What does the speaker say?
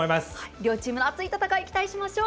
両チームの熱い戦いに期待しましょう。